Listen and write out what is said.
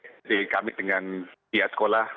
jadi kami dengan pihak sekolah